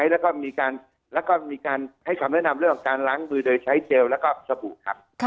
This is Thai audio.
แล้วก็มีการให้คำแนะนำเรื่องของการล้างมือโดยใช้เจลแล้วก็สบู่ครับ